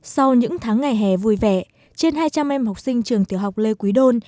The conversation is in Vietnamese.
sau những tháng ngày hè vui vẻ trên hai trăm linh em học sinh trường tiểu học lê quý đôn